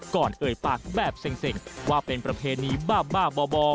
ก่อนเอ่ยปากแบบเส่งว่าเป็นประเพณีบ้าบ่อ